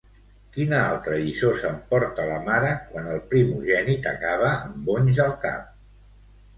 Quina altra lliçó s'emporta la mare quan el primogènit acaba amb bonys al cap?